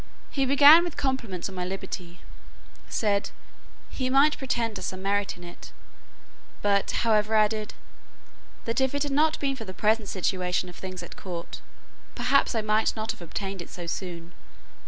He began with compliments on my liberty; said "he might pretend to some merit in it;" but, however, added, "that if it had not been for the present situation of things at court, perhaps I might not have obtained it so soon.